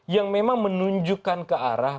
yang memang menunjukkan ke arah